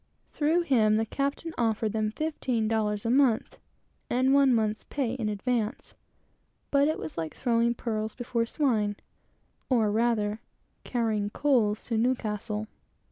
Through him, the captain offered them fifteen dollars a month, and one month's pay in advance; but it was like throwing pearls before swine, or rather, carrying coals to Newcastle.